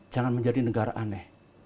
jangan menjadi negara aneh